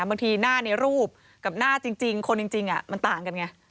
บางทีหน้าในรูปกับหน้าจริงคนจริงมันต่างกันไง